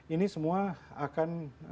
ini semua akan